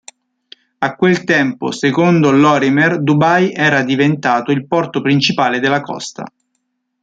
A quel tempo, secondo Lorimer, Dubai era diventato "il porto principale della costa".